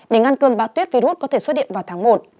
để ngăn cơm bão tuyết virus có thể xuất điện vào tháng một